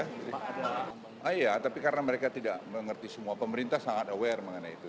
iya tapi karena mereka tidak mengerti semua pemerintah sangat aware mengenai itu